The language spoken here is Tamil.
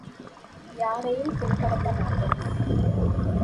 யாரையும் புண்படுத்த மாட்டோம்.